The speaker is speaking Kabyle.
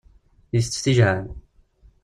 Itett tijɛal.